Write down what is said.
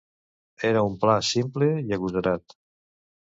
Era un pla simple i agosarat.